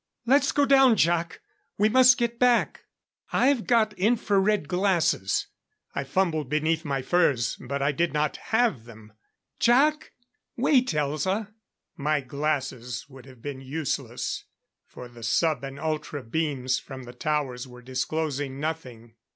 "Let's go down, Jac! We must get back " "I've got infra red glasses " I fumbled beneath my furs. But I did not have them. "Jac " "Wait, Elza." My glasses would have been useless, for the sub and ultra beams from the towers were disclosing nothing.